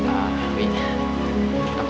aku berhenti ya